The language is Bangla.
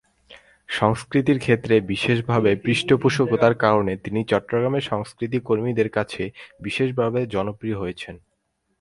সংস্কৃতির ক্ষেত্রে বিশেষভাবে পৃষ্ঠপোষকতার কারণে তিনি চট্টগ্রামের সংস্কৃতিকর্মীদের কাছে বিশেষভাবে জনপ্রিয় হয়েছেন।